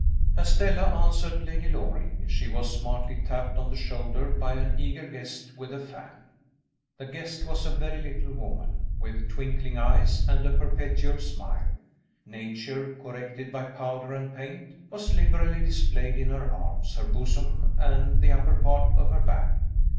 As Stella answered Lady Loring, she was smartly tapped on the shoulder by an eager guest with a fan. The guest was a very little woman, with twinkling eyes and a perpetual smile. Nature, corrected by powder and paint, was liberally displayed in her arms, her bosom, and the upper part of her back.